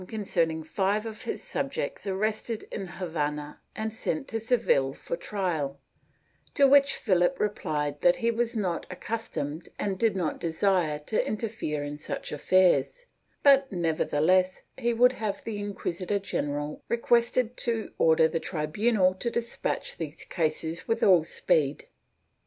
15, fol. 20. 460 PROTESTANTISM [Book VIII Seville for trial, to which Philip replied that he was not accus tomed and did not desire to interfere in such affairs, but never theless he would have the inquisitor general requested to order the tribunal to despatch these cases with all speed